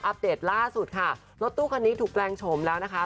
เดตล่าสุดค่ะรถตู้คันนี้ถูกแปลงโฉมแล้วนะคะ